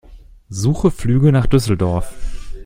Suche Flüge nach Düsseldorf.